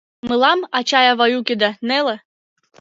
Мылам, ачай-авай уке да, неле.